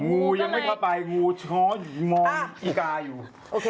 งูยังไม่เข้าไปงูช้ออยู่มองอีกาอยู่